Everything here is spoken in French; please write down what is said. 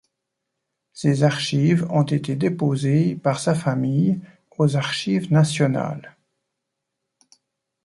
Ses archives ont été déposées par sa famille aux Archives Nationales.